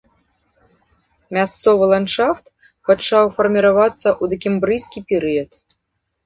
Мясцовы ландшафт пачаў фарміравацца ў дакембрыйскі перыяд.